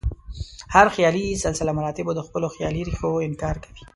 هر خیالي سلسله مراتبو د خپلو خیالي ریښو انکار کوي.